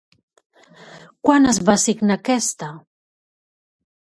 Quan es va signar aquesta?